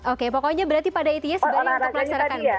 oke pokoknya berarti pada its banyak untuk melaksanakan